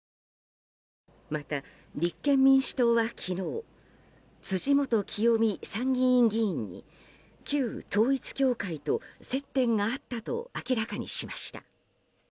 また、立憲民主党は昨日辻元清美参議院議員に旧統一教会と接点があったと明らかにしました。